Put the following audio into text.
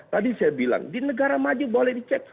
tadi saya bilang di negara maju boleh dicek